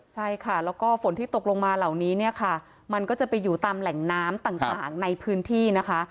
ใช่ค่ะแล้วก็ฝนที่ตกลงมาเหล่านี้เนี่ยค่ะมันก็จะไปอยู่ตามแหล่งน้ำต่างในพื้นที่นะคะ